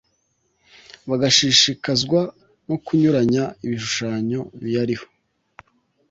bagashishikazwa no kunyuranya ibishushanyo biyariho